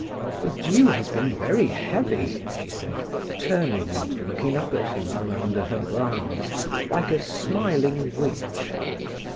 "The dew has been very heavy," she said, turning, and looking up at him from under her brows, like a smiling witch.